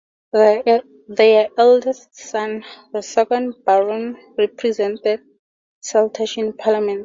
Their eldest son, the second Baron, represented Saltash in Parliament.